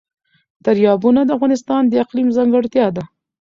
دریابونه د افغانستان د اقلیم ځانګړتیا ده.